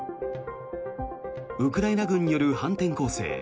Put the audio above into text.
ウクライナ軍による反転攻勢。